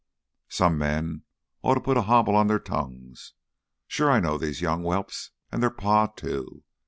"Some men oughtta put a hobble on their tongues. Sure, I know these young whelps an' their pa too.